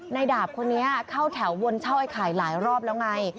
ดาบคนนี้เข้าแถววนเช่าไอ้ไข่หลายรอบแล้วไง